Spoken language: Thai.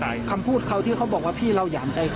อย่างมีผู้สนใจไม่มีความรับผิด